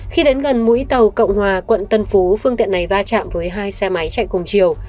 khi đến gần mũi tàu cộng hòa quận tân phú phương tiện này va chạm với hai xe máy chạy cùng chiều